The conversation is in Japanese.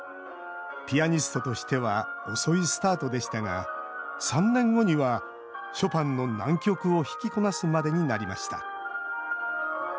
ピアニストとしては遅いスタートでしたが３年後にはショパンの難曲を弾きこなすまでになりました。